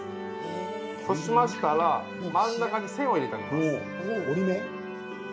そうしましたら真ん中に線を入れてあげます。